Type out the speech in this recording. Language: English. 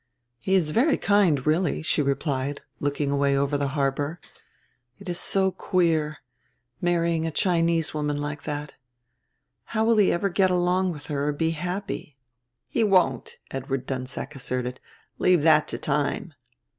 "He is very kind, really," she replied, looking away over the harbor. "It is so queer marrying a Chinese woman like that. How will he ever get along with her or be happy?" "He won't," Edward Dunsack asserted. "Leave that to time."